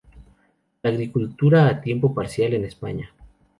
La agricultura a tiempo parcial en España".